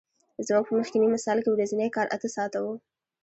زموږ په مخکیني مثال کې ورځنی کار اته ساعته وو